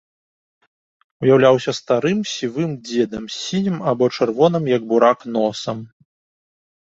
Уяўляўся старым сівым дзедам з сінім або чырвоным, як бурак, носам.